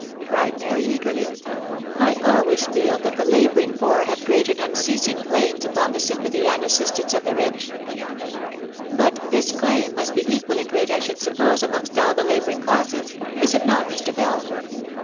cried Mary, eagerly, " I always feel that the labouring poor have great and unceasing claims upon the sympathy and assistance of the rich. — But this claim must be equally great I OF MICHAEL ARMSTRONG. 201 should suppose amongst all the labouring classes. Is it not, Mr. Bell?"